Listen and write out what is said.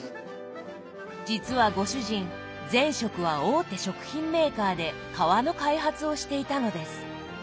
実はご主人前職は大手食品メーカーで皮の開発をしていたのです。